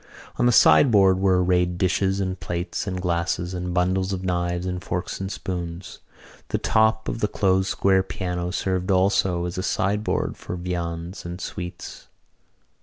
On the sideboard were arrayed dishes and plates, and glasses and bundles of knives and forks and spoons. The top of the closed square piano served also as a sideboard for viands and sweets.